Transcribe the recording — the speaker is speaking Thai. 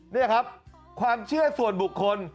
นี่ครับความเชื่อส่วนบุคคล